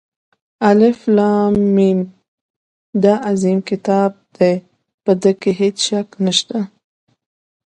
الف لام ، میم دا عظیم كتاب دى، په ده كې هېڅ شك نشته.